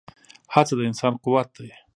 هڅه د انسان قوت دی.